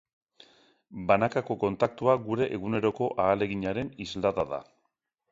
Banakako kontaktua gure eguneroko ahaleginaren islada da.